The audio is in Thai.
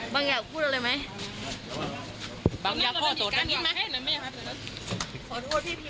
บางอยากพูดอะไรไหมบางอยากขอโทษกันนิดมั้ย